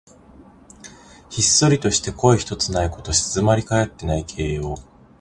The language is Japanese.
ひっそりとして声ひとつないこと。静まりかえっている形容。